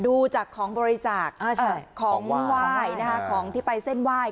ดูจากของบริจาคอ่าใช่ของไหว้ของไหว้ของที่ไปเส้นไหว้